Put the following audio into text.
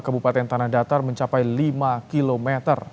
kabupaten tanah datar mencapai lima km